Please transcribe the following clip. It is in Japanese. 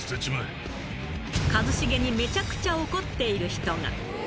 一茂にめちゃくちゃ怒っている人が。